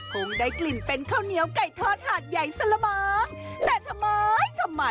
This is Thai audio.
ทุ่มร้อนไหม้าเล้ง